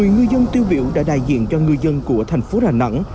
một mươi ngư dân tiêu biểu đã đại diện cho ngư dân của thành phố đà nẵng